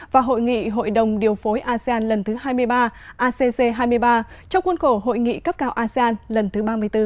và hội nghị hội đồng điều phối asean lần thứ hai mươi ba acc hai mươi ba trong quân khổ hội nghị cấp cao asean lần thứ ba mươi bốn